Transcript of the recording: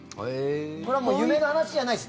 これはもう夢の話じゃないです。